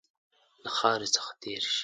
له خاوري څخه تېر شي.